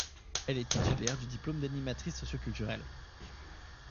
Elle est titulaire du diplôme d'animatrice socioculturelle.